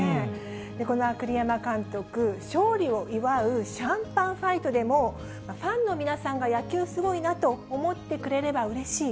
この栗山監督、勝利を祝うシャンパンファイトでも、ファンの皆さんが野球、すごいなと思ってくれればうれしい。